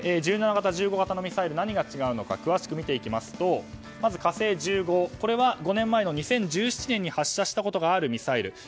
「１７型」、「１５型」のミサイルは何が違うのかというとまず「火星１５」は５年前の２０１７年に発射したことがあるミサイル。